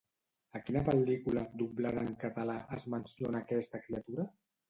A quina pel·lícula, doblada en català, es menciona aquesta criatura?